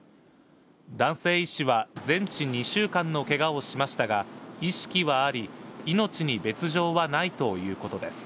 男性医師は全治２週間のけがをしましたが、意識はあり、命に別状はないということです。